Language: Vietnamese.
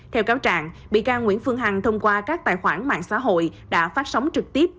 theo cáo trạng bị ca nguyễn phương hằng thông qua các tài khoản mạng xã hội đã phát sóng trực tiếp